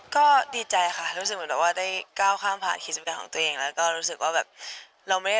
ก็สำหรับเมย์โอลิมปิกก็เป็นแมทที่ใหญ่ที่สุดแล้ว